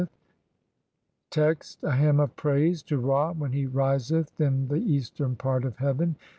9,901, sheet 1).] Text: (1) A HYMN OF PRAISE TO RA WHEN HE RISETH IN THE (2) EASTERN PART OF HEAVEN.